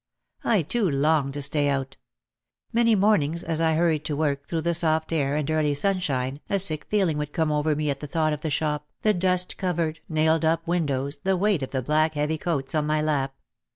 I too longed to stay out. Many mornings as I hurried to work through the soft air and early sunshine a sick feeling would come over me at the thought of the shop, the dust covered, nailed up windows, the weight of the black heavy coats on my lap.